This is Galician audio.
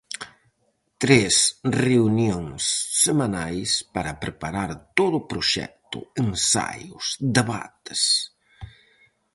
Tres reunións semanais para preparar todo o proxecto, ensaios, debates...